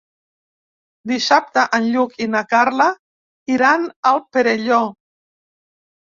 Dissabte en Lluc i na Carla iran al Perelló.